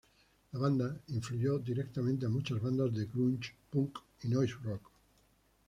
La banda influyó directamente a muchas bandas de grunge, punk y "noise rock".